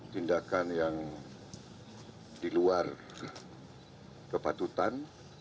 tindakan yang diluar kepatutan